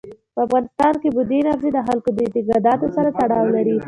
په افغانستان کې بادي انرژي د خلکو د اعتقاداتو سره تړاو لري.